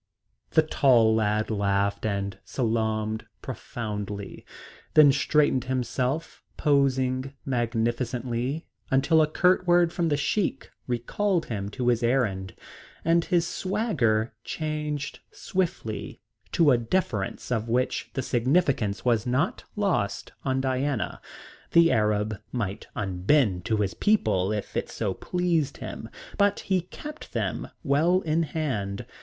The tall lad laughed and salaamed profoundly, then straightened himself, posing magnificently until a curt word from the Sheik recalled him to his errand and his swagger changed swiftly to a deference of which the significance was not lost on Diana. The Arab might unbend to his people if it so pleased him, but he kept them well in hand.